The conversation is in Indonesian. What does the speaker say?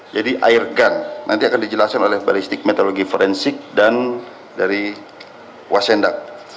jadi airgun nanti akan dijelaskan oleh baristik metodologi forensik dan dari wasendak